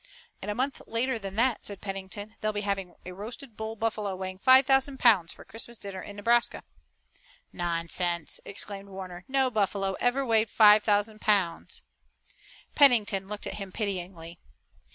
"And a month later than that," said Pennington, "they'll be having a roasted bull buffalo weighing five thousand pounds for Christmas dinner in Nebraska." "Nonsense!" exclaimed Warner. "No buffalo ever weighed five thousand pounds." Pennington looked at him pityingly.